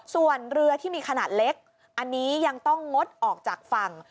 ส่วนเรือที่มีขนาดเล็กอันนี้ยังต้องงดออกจากฝั่ง